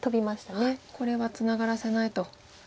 これはツナがらせないと。